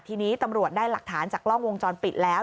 ทีนี้ตำรวจได้หลักฐานจากกล้องวงจรปิดแล้ว